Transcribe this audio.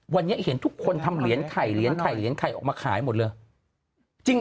วันนี้เห็นทุกคนทำเหรียญไข่เหรียญไข่เหรียญไข่ออกมาขายหมดเลย